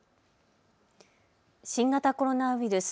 新型コロナウイルス。